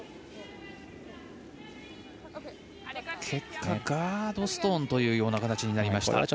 結果ガードストーンという形になりました。